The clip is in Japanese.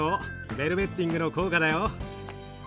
ベルベッティングの効果だよ。